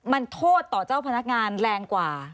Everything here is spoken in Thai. มันโทษต่อเจ้าพนักงานแรงกว่า